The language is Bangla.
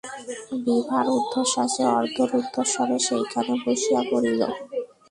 বিভা রুদ্ধশ্বাসে অর্ধরুদ্ধস্বরে সেইখানে বসিয়া পড়িল।